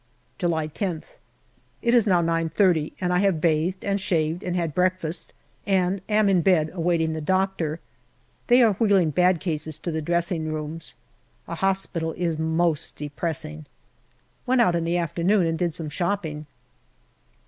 July IQth. It is now 9.30, and I have bathed and shaved and had breakfast, and am in bed awaiting the doctor. They are wheeling bad cases to the dressing rooms. A hospital is most depressing. Went out in the afternoon and did some shopping.